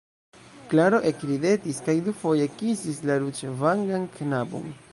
Klaro ekridetis kaj dufoje kisis la ruĝvangan knabon.